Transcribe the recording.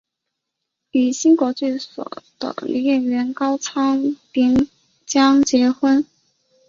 与新国剧所的女演员高仓典江结婚。